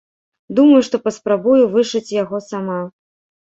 Думаю, што паспрабую вышыць яго сама!